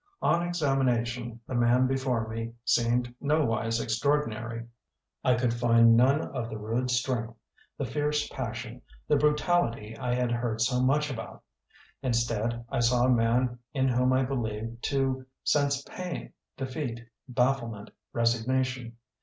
On examination the man before me 9eemed nowise extraordinary. I could find none of the rude strength, the fierce passion, the brutality I had heard so much about. Instead I saw a man in whom I believed to sense pain, defeat, bafllement, resignation.